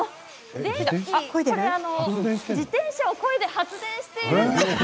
電気を、自転車をこいで発電しているんですよ。